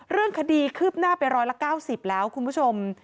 เรื่องคดีคืบหน้าไปร้อยละ๙๐แล้วคุณผู้ชม